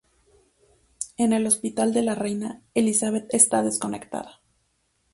En el Hospital de la Reina, Elizabeth está desconectada.